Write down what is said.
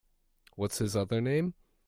What’s his other name?